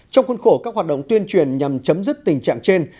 trong khuôn khổ các hoạt động tuyên truyền nhằm chấm dứt tình trạng trên